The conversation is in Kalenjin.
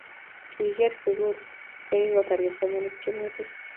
Kikiger sukul ya kotar kipsomaninik tyemutik